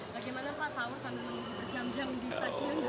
bagaimana pak sahur sambil menunggu berjam jam di stasiun